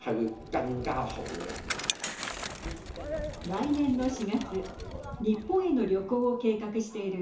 来年の４月日本への旅行を計画している